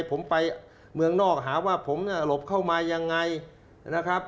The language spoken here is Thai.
ผมไปเมืองนอกหาว่าผมเนี่ยหลบเข้ามายังไงนะครับ